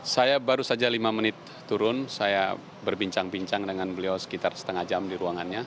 saya baru saja lima menit turun saya berbincang bincang dengan beliau sekitar setengah jam di ruangannya